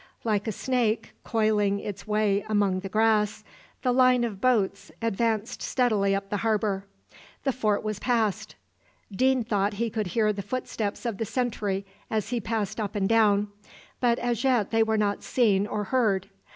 Like a snake coiling its way among the grass, the line of boats advanced steadily up the harbour. The fort was passed. Deane thought he could hear the footsteps of the sentry as he passed up and down; but as yet they were not seen or heard.